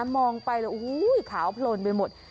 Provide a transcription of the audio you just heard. มองไปแล้วขาวโผลนไปหมด